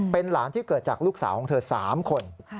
เป็นหลานที่เกิดจากลูกสาวของเธอ๓คน